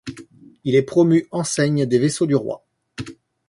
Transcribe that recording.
Il est promu enseigne des vaisseaux du Roi.